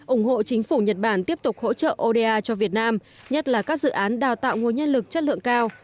ủng hộ chính phủ nhật bản tiếp tục hỗ trợ oda cho việt nam nhất là các dự án đào tạo nguồn nhân lực chất lượng cao